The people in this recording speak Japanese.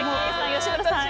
吉村さん